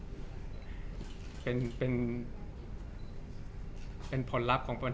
จากความไม่เข้าจันทร์ของผู้ใหญ่ของพ่อกับแม่